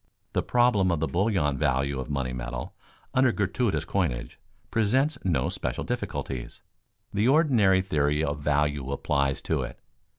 The problem of the bullion value of money metal, under gratuitous coinage, presents no special difficulties. The ordinary theory of value applies to it.